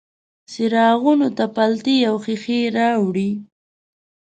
څراغونو ته پیلتې او ښیښې راوړي